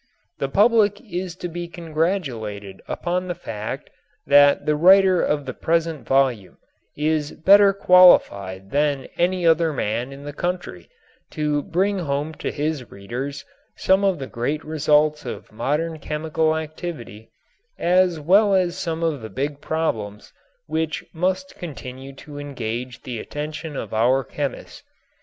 The public is to be congratulated upon the fact that the writer of the present volume is better qualified than any other man in the country to bring home to his readers some of the great results of modern chemical activity as well as some of the big problems which must continue to engage the attention of our chemists.